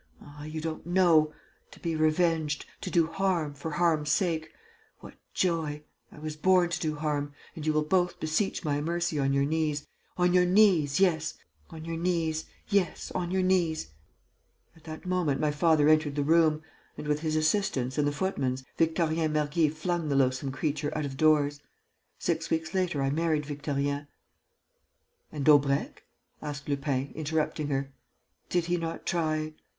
Ah, you don't know!... To be revenged.... To do harm ... for harm's sake... what joy! I was born to do harm.... And you will both beseech my mercy on your knees, on your knees, yes, on your knees....' At that moment, my father entered the room; and, with his assistance and the footman's, Victorien Mergy flung the loathsome creature out of doors. Six weeks later, I married Victorien." "And Daubrecq?" asked Lupin, interrupting her. "Did he not try...."